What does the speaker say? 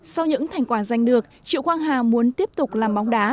sau những thành quả giành được triệu quang hà muốn tiếp tục làm bóng đá